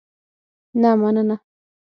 نه مننه.